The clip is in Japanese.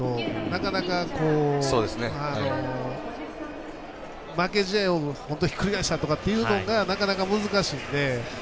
なかなか負け試合をひっくり返したというのがなかなか難しいので。